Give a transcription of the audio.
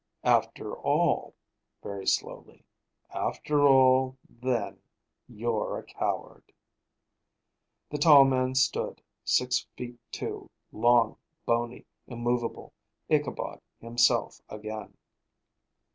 "After all " very slowly "after all, then, you're a coward." The tall man stood up; six feet two, long, bony, immovable: Ichabod himself again.